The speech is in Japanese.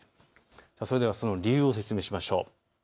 それでは理由を説明しましょう。